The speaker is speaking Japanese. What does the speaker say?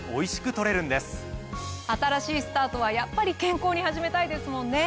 新しいスタートはやっぱり健康に始めたいですもんね。